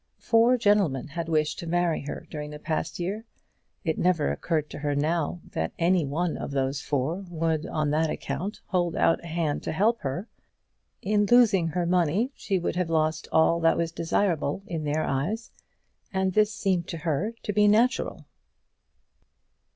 Four gentlemen had wished to marry her during the past year. It never occurred to her now, that any one of these four would on that account hold out a hand to help her. In losing her money she would have lost all that was desirable in their eyes, and this seemed to her to be natural.